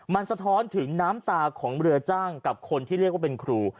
มันสะท้อนถึงน้ำตาของเรือจ้างกับคนที่เรียกว่าเป็นครู